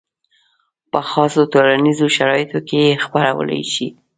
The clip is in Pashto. په خاصو ټولنیزو شرایطو کې یې خپرولی شي.